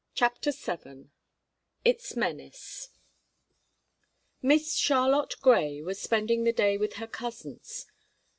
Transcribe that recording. CHAPTER SEVEN ITS MENACE Miss Charlotte Grey was spending the day with her cousins.